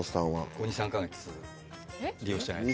ここ２３ヵ月利用してないです。